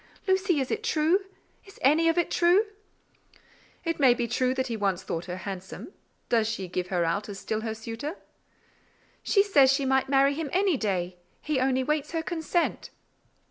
Lucy, is it true? Is any of it true?" "It may be true that he once thought her handsome: does she give him out as still her suitor?" "She says she might marry him any day: he only waits her consent."